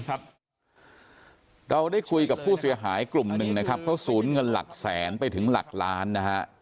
เราได้คุยกับผู้เสียหายกลุ่มหนึ่งนะครับเขาสูญเงินหลักแสนไปถึงหลักล้านนะฮะ